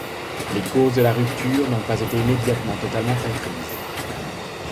Les causes de la rupture n'ont pas été immédiatement totalement comprises.